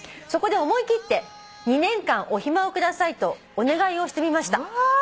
「そこで思い切って２年間お暇を下さいとお願いをしてみました」